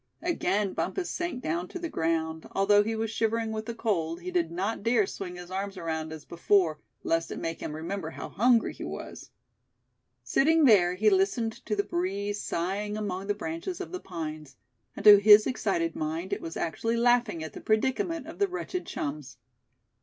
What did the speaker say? Again Bumpus sank down to the ground; although he was shivering with the cold, he did not dare swing his arms around as before, lest it make him remember how hungry he was. Sitting there, he listened to the breeze sighing among the branches of the pines; and to his excited mind it was actually laughing at the predicament of the wretched chums.